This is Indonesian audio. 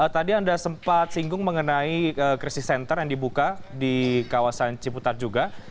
tadi anda sempat singgung mengenai krisis center yang dibuka di kawasan ciputat juga